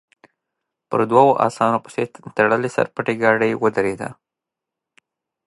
پر دوو اسانو پسې تړلې سر پټې ګاډۍ ودرېده.